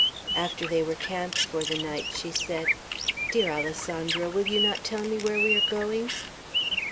After they were camped for the night, she said, "Dear Alessandro, will you not tell me where we are going?"